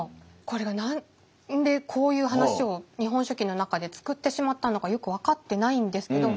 これが何でこういう話を「日本書紀」の中で作ってしまったのかよく分かってないんですけど。